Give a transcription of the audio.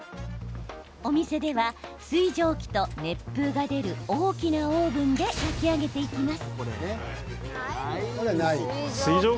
お店では、水蒸気と熱風が出る大きなオーブンで焼き上げていきます。